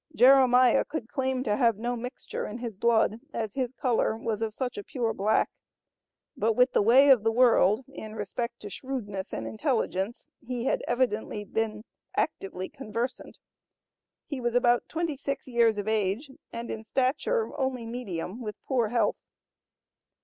Jeremiah could claim to have no mixture in his blood, as his color was of such a pure black; but with the way of the world, in respect to shrewdness and intelligence, he had evidently been actively conversant. He was about twenty six years of age, and in stature only medium, with poor health.